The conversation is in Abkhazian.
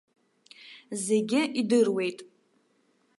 Зегьы идыруеит!